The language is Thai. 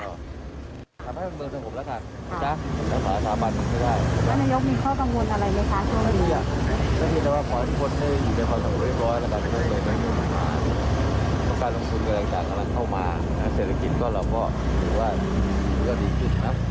นายกครับวันนี้ครบรอบ๙ปี